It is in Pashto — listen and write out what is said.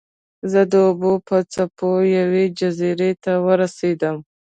زه د اوبو په څپو یوې جزیرې ته ورسیدم.